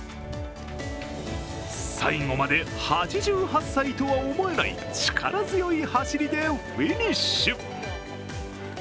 最後まで８８歳とは思えない力強い走りでフィニッシュ。